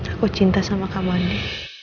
aku cinta sama kamu andi